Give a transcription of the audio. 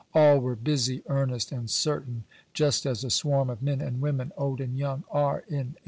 All were busy, earnest, and certain, just as a swarm of men and women, old and young, are in 1859.